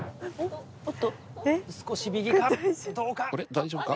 大丈夫か？